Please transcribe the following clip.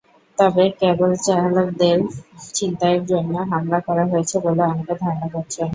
তবে ক্যাবচালকদের ছিনতাইয়ের জন্য হামলা করা হয়েছে বলে অনেকে ধারণা করছেন।